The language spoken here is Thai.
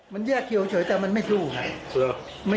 มันแยกคิวเฉยแต่มันไม่สู้ไง